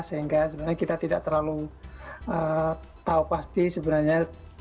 sehingga sebenarnya kita tidak terlalu tahu pasti sebenarnya